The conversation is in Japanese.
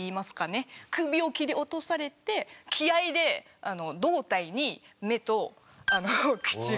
首を切り落とされて気合で胴体に目と口が。